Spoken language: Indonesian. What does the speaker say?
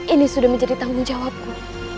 ini sudah menjadi tanggung jawabku